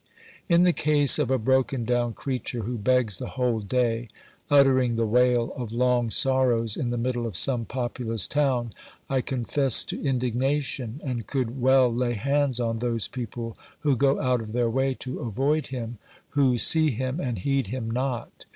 In the case of a broken down creature who begs the whole day, uttering the wail of long sorrows in the middle' of some populous town, I confess to indignation, and could well lay hands on those people who go out of their way to avoid him, who see him and heed him not.